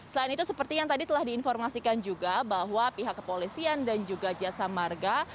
selain itu seperti yang tadi telah diinformasikan juga bahwa pihak kepolisian dan juga jasa marga